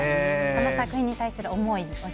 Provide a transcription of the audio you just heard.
この作品に対する思い